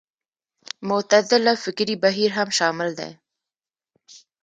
معتزله فکري بهیر هم شامل دی